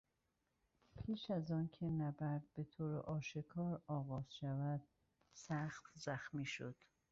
پیش از آنکه نبرد به طور آشکار آغاز شود سخت زخمی شد.